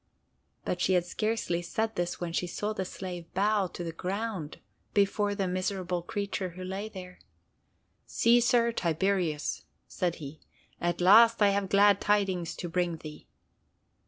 But she had scarcely said this when she saw the slave bow to the ground before the miserable creature who lay there. "Cæsar Tiberius," said he, "at last I have glad tidings to bring thee."